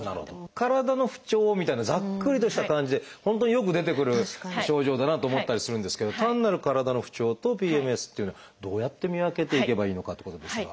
体の不調みたいなざっくりとした感じで本当によく出てくる症状だなと思ったりするんですけど単なる体の不調とＰＭＳっていうのはどうやって見分けていけばいいのかってことですが。